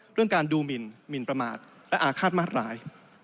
เรื่องการดูหมินหมินประมาทและอาฆาตมาตราย